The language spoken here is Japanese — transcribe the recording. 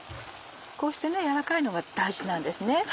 こうして軟らかいのが大事なんですね。